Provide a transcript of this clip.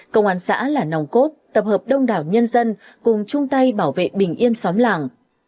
công an xã là nòng cốt tập hợp đông đảo nhân dân cùng chung tay bảo vệ bình yên xóm làng